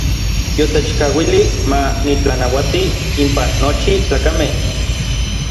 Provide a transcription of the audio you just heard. Yotechkauilij ma nitlanauati inpan nochi tlakamej.